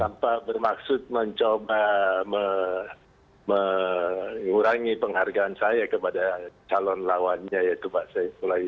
tanpa bermaksud mencoba mengurangi penghargaan saya kepada calon lawannya yaitu pak saifullah yusu